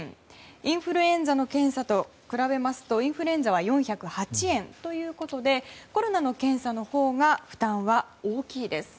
インフルエンザの検査と比べますとインフルエンザは４０８円ということでコロナの検査のほうが負担は大きいです。